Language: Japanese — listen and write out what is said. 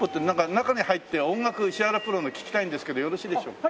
中に入って音楽石原プロの聴きたいんですけどよろしいでしょうか？